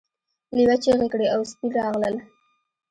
لیوه چیغې کړې او سپي راغلل.